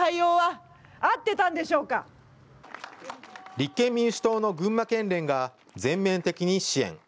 立憲民主党の群馬県連が全面的に支援。